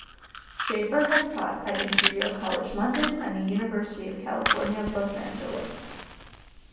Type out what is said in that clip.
Schaffer has taught at Imperial College London and the University of California, Los Angeles.